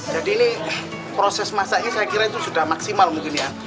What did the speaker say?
jadi ini proses masaknya saya kira itu sudah maksimal mungkin ya